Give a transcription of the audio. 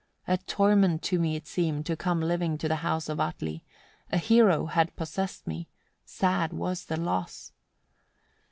A torment to me it seemed to come living to the house of Atli. A hero had possessed me: sad was that loss!